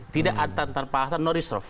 tidak ada antar antar pahasan norisroff